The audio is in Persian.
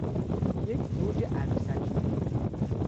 یک زوج عروسکی